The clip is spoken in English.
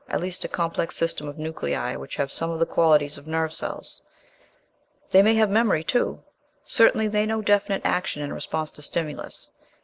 at least a complex system of nuclei which have some of the qualities of nerve cells. They may have memory too. Certainly, they know definite action in response to stimulus.